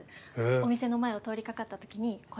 お店の前を通りかかった時に声かけて。